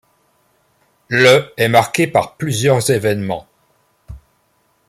Le est marqué par plusieurs événements.